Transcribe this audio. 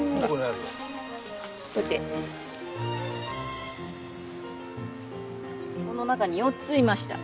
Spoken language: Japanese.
この中に４ついました。